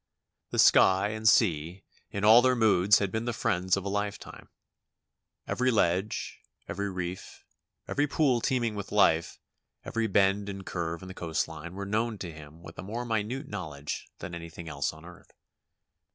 The sky and sea in all their moods had been the friends of a lifetime. Every ledge, every reef, every pool teeming with life, every bend and curve in the coast line were known to him with a more minute knowledge than anything else on earth.